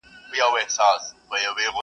o خټک که ښه سوار دئ، د يوه وار دئ!